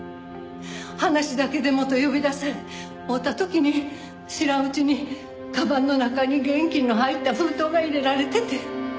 「話だけでも」と呼び出され会うた時に知らんうちにかばんの中に現金の入った封筒が入れられてて。